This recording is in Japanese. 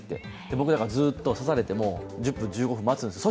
僕、だからずっと刺されても１０分、１５分待つんですよ。